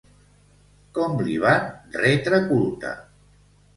Com li van retre culte?